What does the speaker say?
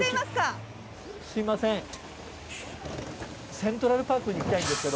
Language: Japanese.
すみません。